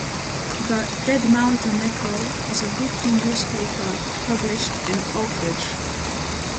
The "Dead Mountain Echo" is a weekly newspaper published in Oakridge.